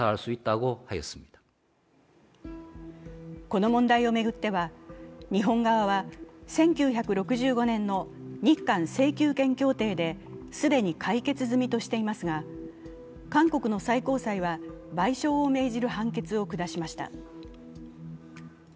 この問題を巡っては日本側は１９６５年の日韓請求権協定で既に解決済みとしていますが、韓国の最高裁は賠償を命じる判決を下しました。